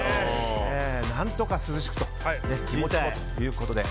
何とか涼しくと気持ちもということで。